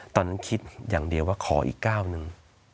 ตอนนั้นคิดอย่างเดียวว่าขออีกก้าวหนึ่ง